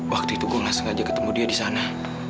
waktu itu gue gak sengaja ketemu dia disana